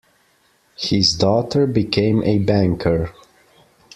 His daughter became a banker.